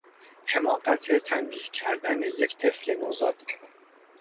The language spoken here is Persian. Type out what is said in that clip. حماقت تنبیه کردن یک طفل نوزاد